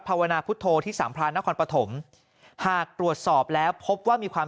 ภาวนาพุทธโธที่สามพรานนครปฐมหากตรวจสอบแล้วพบว่ามีความ